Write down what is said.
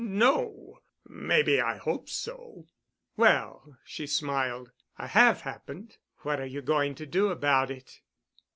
"Er—no. Maybe I hoped so." "Well," she smiled, "I have happened. What are you going to do about it?"